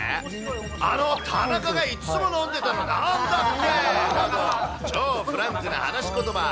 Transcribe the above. あの田中が、いっつも飲んでたのなんだっけ？など、超フランクな話ことば。